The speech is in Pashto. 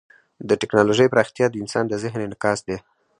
د ټیکنالوژۍ پراختیا د انسان د ذهن انعکاس دی.